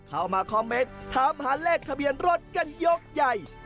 เข้ามาคอมเมนต์ถามหาเลขทะเบียนรถกันยกใหญ่